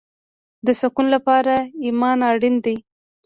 د سکون لپاره ایمان اړین دی